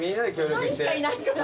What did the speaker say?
１人しかいないから。